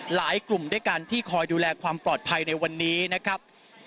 หลายกลุ่มด้วยกันที่คอยดูแลความปลอดภัยในวันนี้นะครับ